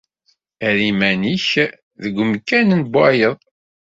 Err iman-nnek deg wemkan n wayeḍ.